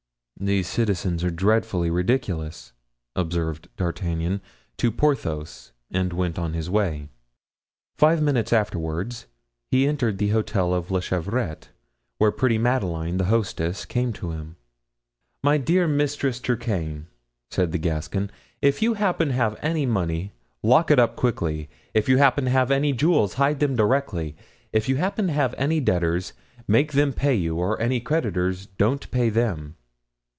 "These citizens are dreadfully ridiculous," observed D'Artagnan to Porthos and went on his way. Five minutes afterward he entered the hotel of La Chevrette, where pretty Madeleine, the hostess, came to him. "My dear Mistress Turquaine," said the Gascon, "if you happen to have any money, lock it up quickly; if you happen to have any jewels, hide them directly; if you happen to have any debtors, make them pay you, or any creditors, don't pay them."